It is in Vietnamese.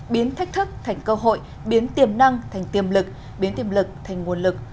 biến thách thức thành cơ hội biến tiềm năng thành tiềm lực biến tiềm lực thành nguồn lực